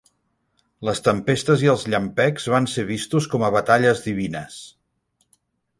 Les tempestes i els llampecs van ser vistos com a batalles divines.